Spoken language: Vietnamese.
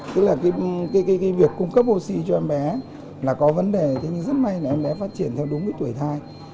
tức là việc cung cấp oxy cho em bé là có vấn đề thế nhưng rất may là em bé phát triển theo đúng cái tuổi thai